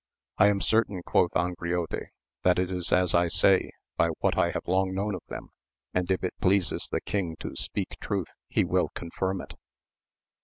I am certain, quoth Angriote, that it is as I say by what I have long known of them, and if it pleases the king to speak truth he will confirm it.